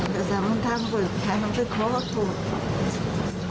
แต่สามันทั้งเป็นแท้มาก็คล้อโถง